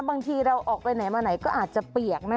บางทีเราออกไปไหนมาไหนก็อาจจะเปียกนะ